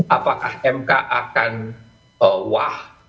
apakah mk akan bawah